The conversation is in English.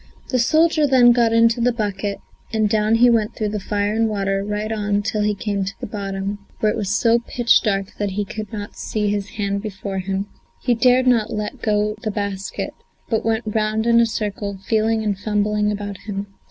The soldier then got into the bucket, and down he went through fire and water, right on till he came to the bottom, where it was so pitch dark that he could not see his hand before him. He dared not let go the basket, but went round in a circle, feeling and fumbling about him.